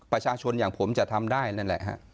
ประชาชนอย่างผมจะทำได้นั่นแหละฮะ